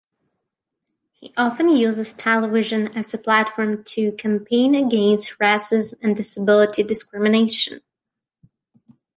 He often uses television as a platform to campaign against racism and disability discrimination.